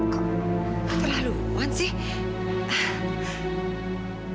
kau keterlaluan sih